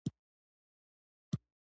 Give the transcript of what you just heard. ایران د ګلابو اوبه تولیدوي.